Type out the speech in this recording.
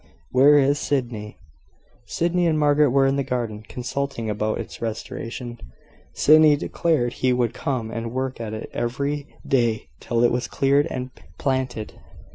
Where is Sydney?" Sydney and Margaret were in the garden, consulting about its restoration. Sydney declared he would come and work at it every day till it was cleared and planted.